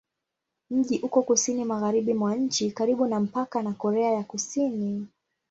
Mji uko kusini-magharibi mwa nchi, karibu na mpaka na Korea ya Kusini.